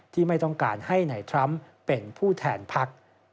ไม่ต้องการให้นายทรัมป์เป็นผู้แทนพัก